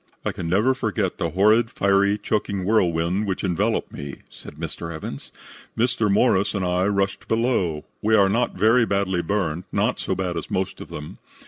"I can never forget the horrid, fiery, choking whirlwind which enveloped me," said Mr. Evans. "Mr. Morris and I rushed below. We are not very badly burned, not so bad as most of them.